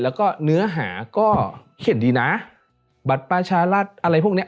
แล้วก็เนื้อหาก็เขียนดีนะบัตรประชารัฐอะไรพวกเนี้ย